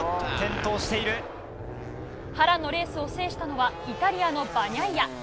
波乱のレースを制したのはイタリアのバニャイア。